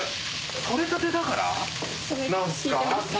とれたてだからなんすか？